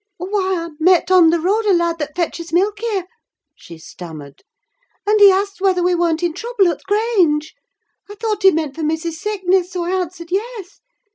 "Why, I met on the road a lad that fetches milk here," she stammered, "and he asked whether we weren't in trouble at the Grange. I thought he meant for missis's sickness, so I answered, yes.